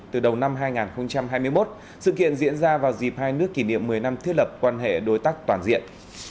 từ đầu năm hai nghìn hai mươi một sự kiện diễn ra vào dịp hai nước kỷ niệm một mươi năm thiết lập quan hệ đối tác toàn diện